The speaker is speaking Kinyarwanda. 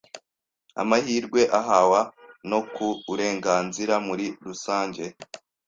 amahirwe ahawa no ku urenganzira muri rusange